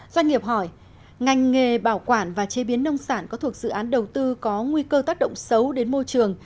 doanh nghiệp hỏi ngành nghề bảo quản và chế biến nông sản có thuộc dự án đầu tư có nguy cơ tác động xấu đến môi trường